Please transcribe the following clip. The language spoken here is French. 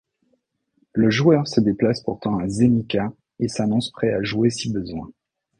Le joueur se déplace pourtant à Zenica et s'annonce prêt à jouer si besoin.